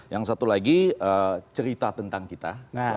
yang satu lagi cerita tentang kita